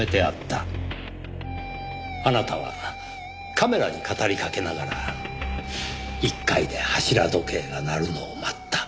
あなたはカメラに語りかけながら１階で柱時計が鳴るのを待った。